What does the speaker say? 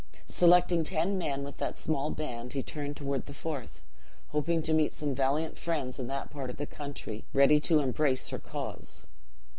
Selecting ten men, with that small band he turned toward the Forth, hoping to meet some valiant friends in that part of the country read to embrace her cause.